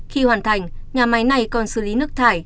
khi hoàn thành nhà máy này còn xử lý nước thải